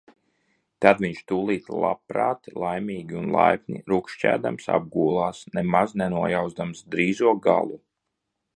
Tad viņš tūlīt labprāt laimīgi un laipni rukšķēdams apgūlās, nemaz nenojauzdams drīzo galu.